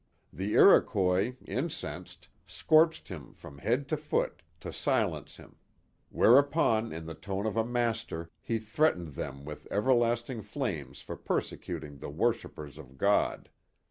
The Iroquois, incensed, scorched him from head to foot, to silence him; where upon, in the tone of a master, he threatened them with everlasting flames for persecuting the worshippers of God.